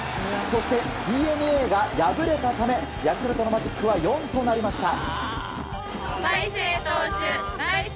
そしてＤｅＮＡが敗れたためヤクルトのマジックは４となりました。